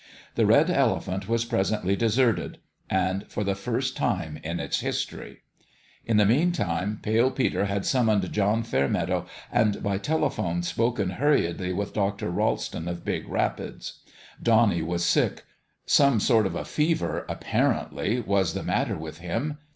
The Red Elephant was presently deserted and for the first time in its history. In the meantime Pale Peter had sum moned John Fairmeadow and by telephone spoken hurriedly with Dr. Ralston of Big Rapids. Donnie was sick. Some sort of a fever, apparently, was the matter with him.